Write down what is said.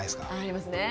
ありますね。